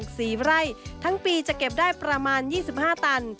มดแดงเสีอไล่ทั้งปีจะเก็บได้ประมาณ๒๕ตัน